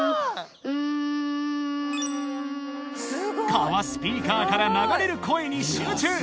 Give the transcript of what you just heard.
蚊はスピーカーから流れる声に集中